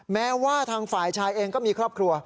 แม้ว่าทางฝ่ายชายเองก็มีครอบครัว